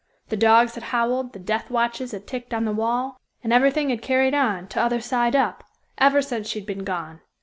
The dogs had howled, the death watches had ticked on the wall, and everything had carried on, t'other side up, ever since she'd been gone.